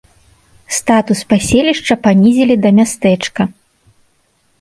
Статус паселішча панізілі да мястэчка.